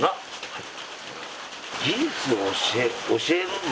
はい。